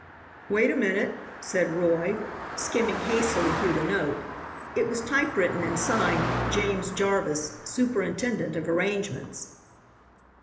"Wait a minute," said Roy, skimming hastily through the note. It was typewritten and signed: James Jarvis, Superintendent of Arrangements.